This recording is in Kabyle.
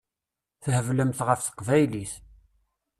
Theblemt ɣef teqbaylit.